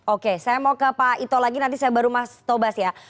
oke saya mau ke pak ito lagi nanti saya baru mas tobas ya